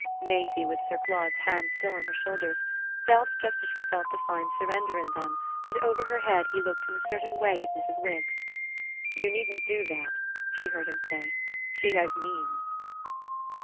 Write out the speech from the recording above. Maisie, with Sir Claude's hands still on her shoulders, felt, just as she felt the fine surrender in them, that over her head he looked in a certain way at Mrs. Wix. "You needn't do that," she heard him say. "She has means."